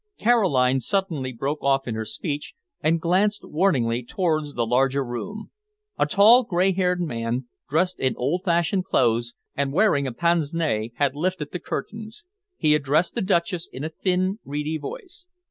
Caroline suddenly broke off in her speech and glanced warningly towards the larger room. A tall, grey haired man, dressed in old fashioned clothes and wearing a pince nez, had lifted the curtains. He addressed the Duchess in a thin, reedy voice.